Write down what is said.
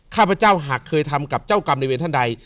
ข้าพเจ้าหากเคยทำกับเจ้ากรรมในเวรท่านใด